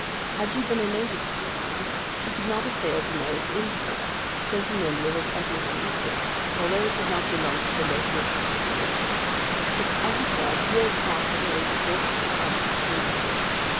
Had she been a native of the town, she could not have failed to know its import, so familiar was every one with it, although it did not belong to the local vocabulary; but, as it was, years passed away before she discovered its meaning.